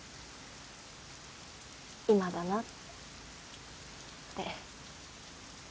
今だなって。